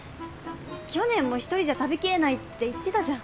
去年もひとりじゃ食べきれないって言ってたじゃん。